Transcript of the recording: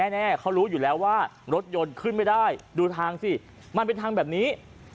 แน่เขารู้อยู่แล้วว่ารถยนต์ขึ้นไม่ได้ดูทางสิมันเป็นทางแบบนี้